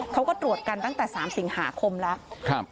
เขาก็ตรวจกันตั้งแต่๓สิงหาคมแล้ว